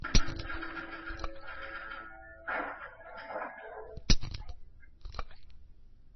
解放军方面认为解放军方面伤亡较大主要是部队登陆后经常遭到国军暗火力点袭击所致。